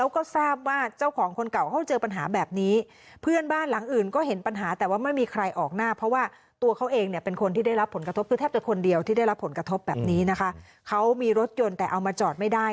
กระทบแบบนี้นะคะเขามีรถยนต์แต่เอามาจอดไม่ได้